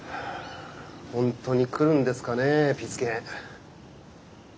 本当に来るんですかねピス健。